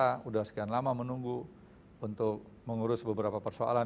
sudah sekian lama menunggu untuk mengurus beberapa persoalan